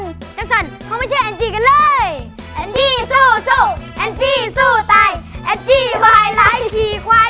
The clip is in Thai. จังสั่นเขาไม่ใช่แอนจี้กันเลย